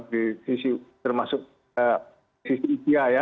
di sisi termasuk sisi